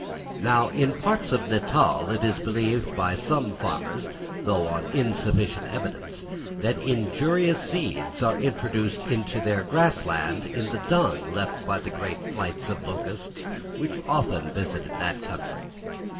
Now, in parts of Natal it is believed by some farmers, though on insufficient evidence, that injurious seeds are introduced into their grass land in the dung left by the great flights of locusts which often visit that country.